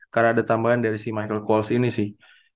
karena ada tambahan dari si michael kowals ini sih